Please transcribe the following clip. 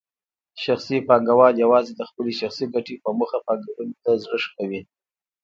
شخصي پانګوال یوازې د خپلې شخصي ګټې په موخه پانګونې ته زړه ښه کوي.